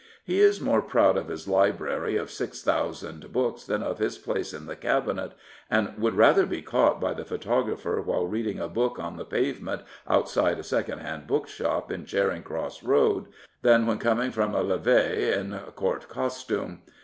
He is more proud of his library of six thousand books than of his place in the Cabinet, and would rather be caught by the photographer while reading a book on the pavement outside a secondhand bookshop in Charing Cross Road than when coming from a levie in Court costume.